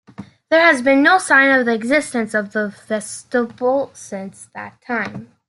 There has been no sign of the existence of the festival since that time.